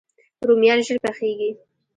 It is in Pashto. رومیان ژر پخیږي